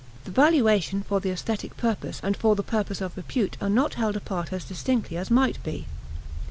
The valuation for the aesthetic purpose and for the purpose of repute are not held apart as distinctly as might be.